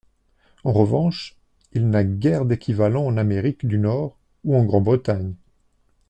En revanche, il n'a guère d'équivalent en Amérique du Nord ou en Grande-Bretagne.